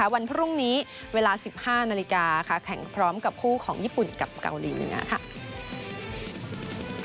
วันพรุ่งนี้เวลา๑๕นาฬิกาแข่งพร้อมกับคู่ของญี่ปุ่นกับเกาหลีเหนือค่ะ